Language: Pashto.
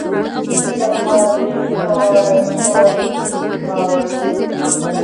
زما د پايليک موضوع